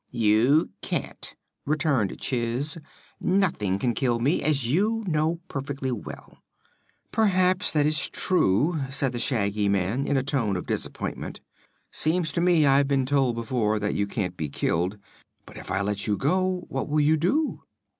"You can't!" returned Chiss. "Nothing can kill me, as you know perfectly well." "Perhaps that is true," said the Shaggy Man in a tone of disappointment. "Seems to me I've been told before that you can't be killed. But if I let you go, what will you do?"